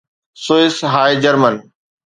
Swiss هاء German